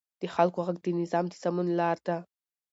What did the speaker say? د خلکو غږ د نظام د سمون لار ده